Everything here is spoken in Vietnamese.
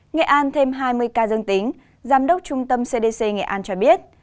nghệ an thêm hai mươi ca dân tính giám đốc trung tâm cdc nghệ an cho biết